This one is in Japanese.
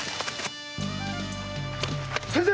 先生！